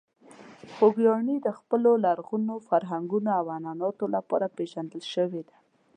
خوږیاڼي د خپلو لرغونو فرهنګونو او عنعناتو لپاره پېژندل شوې ده.